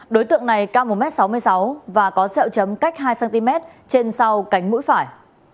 đối tượng này cao một m sáu mươi sáu và có xẹo chấm cách hai cm trên sau cánh mũi phải